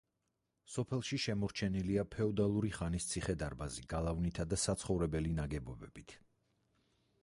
სოფელში შემორჩენილია ფეოდალური ხანის ციხე-დარბაზი გალავნითა და საცხოვრებელი ნაგებობებით.